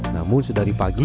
namun sedari pagi